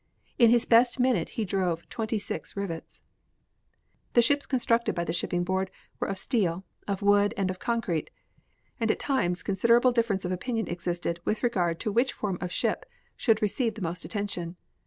In his best minute he drove twenty six rivets. The ships constructed by the Shipping Board were of steel, of wood and of concrete, and at times considerable difference of opinion existed with regard to which form of ship should receive the most attention.